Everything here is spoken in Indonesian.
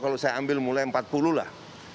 kalau saya ambil mulai empat puluh lah